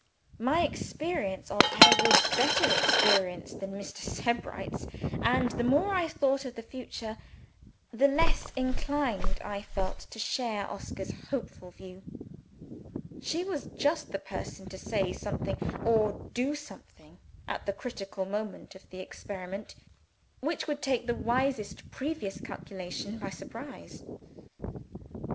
My experience of her was better experience than Mr. Sebright's and the more I thought of the future, the less inclined I felt to share Oscar's hopeful view. She was just the person to say something or do something, at the critical moment of the experiment, which would take the wisest previous calculation by surprise.